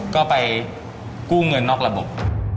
ก็ไปกู้เงินนอกระบบ